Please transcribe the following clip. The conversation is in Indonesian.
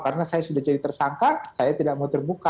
karena saya sudah jadi tersangka saya tidak mau terbuka